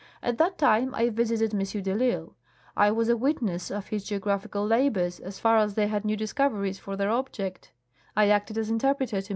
At that time I visited M. de I'lsle ; I was a witness of his geo graphical labors, as far as they had new discoveries for their object ; I acted as interpreter to M.